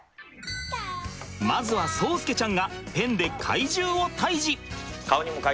まずは蒼介ちゃんがペンで怪獣を退治。